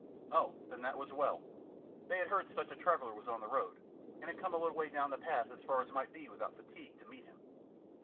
"Oh, then that was well. They had heard such a traveller was on the road, and had come a little way down the path, as far as might be without fatigue, to meet him."